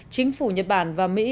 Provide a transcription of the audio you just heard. chính phủ nhật bản và mỹ